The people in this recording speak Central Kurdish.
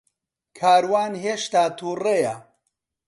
کاروان ھێشتا تووڕەیە.